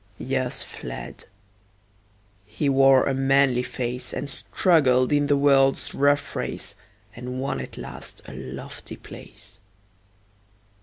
Years fled; he wore a manly face, And struggled in the world's rough race, And won at last a lofty place.